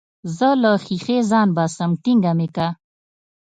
زه له ښيښې ځان باسم ټينګه مې که.